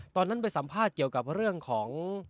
ตอนนั้นไปสัมภาษณ์เกี่ยวกับเรื่องของ